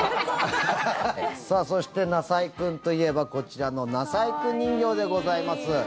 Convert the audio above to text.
さあ、そしてなさいくんといえばこちらのなさいくん人形でございます。